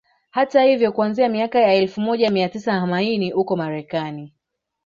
Hata hivyo kuanzia miaka ya elfu moja mia tisa hamaini huko Marekani